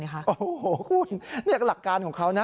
โอ้โหคุณนี่หลักการของเขานะ